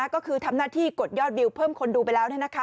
ก็คือทำหน้าที่กดยอดวิวเพิ่มคนดูไปแล้ว